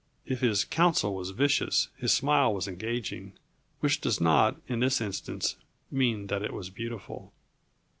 If his counsel was vicious, his smile was engaging which does not, in this instance, mean that it was beautiful.